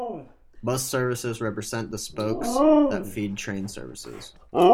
Bus services represent the spokes that feed train services.